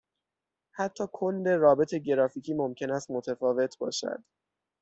حتی کل رابط گرافیکی ممکن است متفاوت باشد.